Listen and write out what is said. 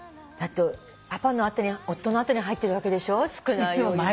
パパの後に夫の後に入ってるわけでしょ少ないお湯でね。